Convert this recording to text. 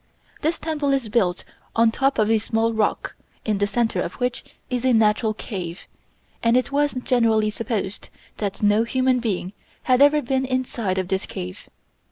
This temple is built on top of a small rock, in the center of which is a natural cave, and it was generally supposed that no human being had ever been inside of this cave.